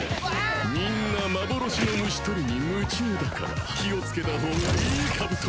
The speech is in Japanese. みんな幻の虫捕りに夢中だから気をつけたほうがいいカブトムシ。